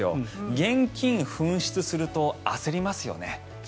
現金紛失すると焦りますよね。